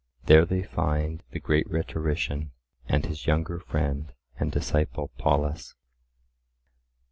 There they find the great rhetorician and his younger friend and disciple Polus.